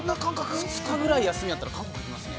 ◆２日ぐらい休みがあったら韓国に行きますね。